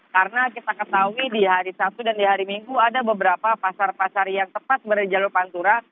karena kita ketahui di hari sabtu dan di hari minggu ada beberapa pasar pasar yang tepat berjalur pantura